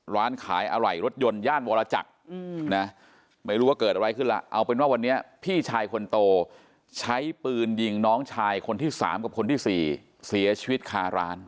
ร้านขายอะไหล่รถยนต์ย่านวรจักรนะไม่รู้ว่าเกิดอะไรขึ้นแล้วเอาเป็นว่าวันนี้พี่ชายคนโตใช้ปืนยิงน้องชายคนที่๓กับคนที่๔เสียชีวิตคาร้าน